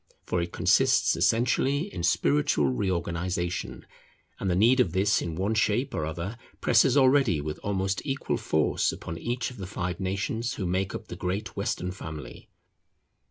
For it consists essentially in spiritual reorganization; and the need of this in one shape or other presses already with almost equal force upon each of the five nations who make up the great Western family.